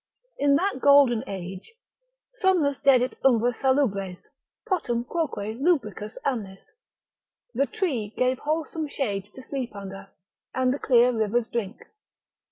In that golden age, somnos dedit umbra salubres, potum quoque lubricus amnis, the tree gave wholesome shade to sleep under, and the clear rivers drink.